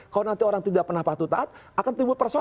kalau nanti orang tidak pernah patuh taat akan timbul persoalan